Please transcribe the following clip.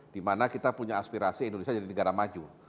dimana kita punya aspirasi indonesia jadi negara maju